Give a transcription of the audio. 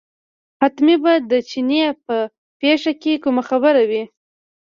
حتمي به د چیني په پېښه کې کومه خبره وي.